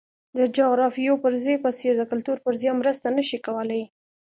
د جغرافیوي فرضیې په څېر د کلتور فرضیه مرسته نه شي کولای.